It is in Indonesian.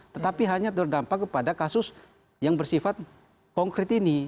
tetapi hanya berdampak kepada kasus yang bersifat konkret ini